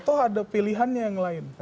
atau ada pilihannya yang lain